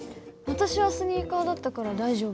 私はスニーカーだったから大丈夫。